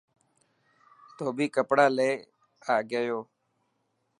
ڌوٻي ڪپڙا لي گيو.